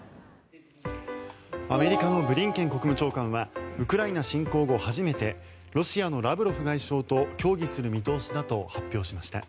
アメリカのブリンケン国務長官はウクライナ侵攻後初めてロシアのラブロフ外相と協議する見通しだと発表しました。